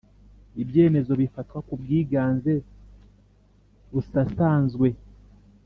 Ibyemezo bifatwa ku bwiganze busasanzwe